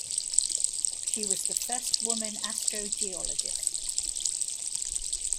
She was the first woman astrogeologist.